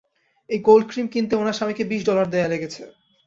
এই cold cream কিনতে ওনার স্বামীকে বিশ ডলার দেয়া লেগেছে!